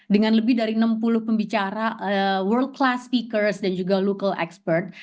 dengan lebih dari enam puluh pembicara world classpeakers dan juga local expert